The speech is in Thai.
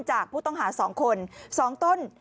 จากผู้ต้องหา๒คน๒ต้น